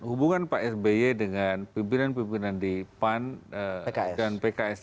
hubungan pak sby dengan pimpinan pimpinan di pan dan pks